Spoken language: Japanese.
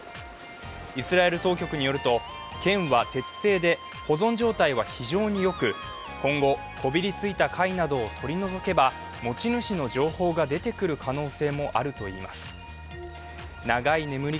イスラエル当局によると、剣は鉄製で保存状態は非常によく今後、こびりついた貝などを取り除けば持ち主の情報が出てくる可能性もあるといいます。